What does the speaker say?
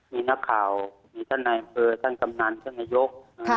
มีนักข่าวมีท่านนายอำเภอท่านกำนันท่านนายก